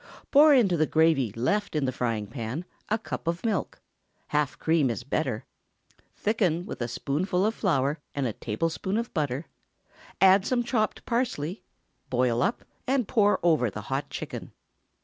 Pour into the gravy left in the frying pan a cup of milk—half cream is better; thicken with a spoonful of flour and a tablespoonful of butter; add some chopped parsley, boil up, and pour over the hot chicken.